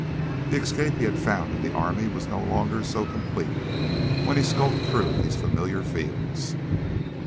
The escape he had found in the army was no longer so complete when he skulked through these familiar fields.